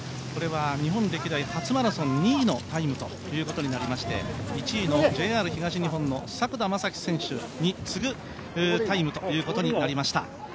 これは日本歴代初マラソン２位のタイムということになりまして１位のＪＲ東日本の作田将希選手に次ぐタイムとなりました。